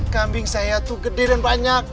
kambing saya itu gede dan banyak